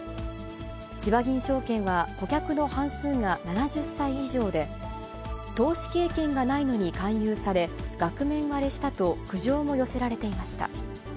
ちばぎん証券は、顧客の半数が７０歳以上で、投資経験がないのに勧誘され、額面割れしたと苦情も寄せられていました。